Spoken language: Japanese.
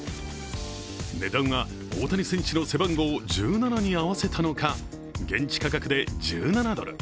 値段は大谷選手の背番号１７に合わせたのか、現地価格で１７ドル。